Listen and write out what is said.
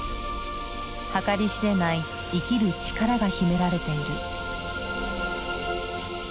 計り知れない生きる力が秘められている。